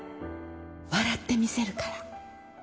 笑ってみせるから。